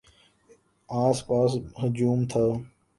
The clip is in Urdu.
آس پاس ہجوم تھا۔